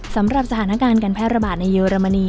สำหรับสถานการณ์การแพร่ระบาดในเยอรมนี